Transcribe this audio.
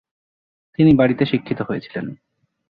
তিনি বাড়িতে শিক্ষিত হয়েছিলেন।